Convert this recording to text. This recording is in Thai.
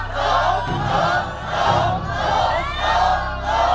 ถูก